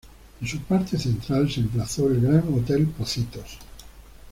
En su parte central se emplazó el Gran Hotel Pocitos.